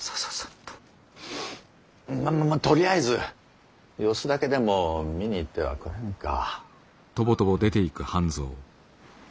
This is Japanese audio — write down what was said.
まっまっまっとりあえず様子だけでも見に行ってはくれんか。